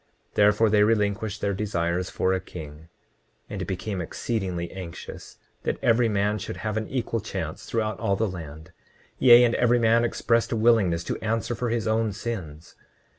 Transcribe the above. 29:38 Therefore they relinquished their desires for a king, and became exceedingly anxious that every man should have an equal chance throughout all the land; yea, and every man expressed a willingness to answer for his own sins.